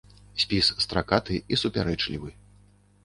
Спіс стракаты і супярэчлівы.